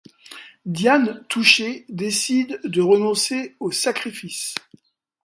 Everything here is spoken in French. Diane, touchée, décide de renoncer au sacrifice.